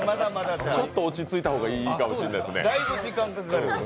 ちょっと落ち着いた方がいいかもしれないですね。